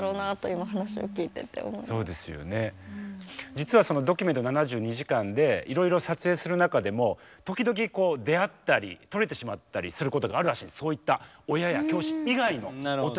実はその「ドキュメント７２時間」でいろいろ撮影する中でも時々出会ったり撮れてしまったりすることがあるらしいそういった親や教師以外のなるほど。